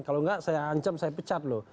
kalau enggak saya ancam saya pecat loh